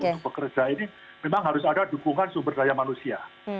untuk pekerja ini memang harus ada dukungan sumber daya manusia